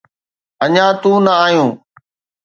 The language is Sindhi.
اڃا تون نه آيون.